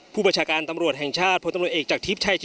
ผู้บัญชาการตำรวจแห่งชาติพตำรวจเอกจากทิพย์ชายจินดา